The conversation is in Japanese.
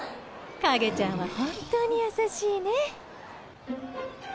カゲちゃんは本当に優しいね。